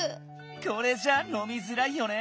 これじゃあのみづらいよね。